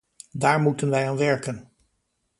Daar moeten wij aan werken.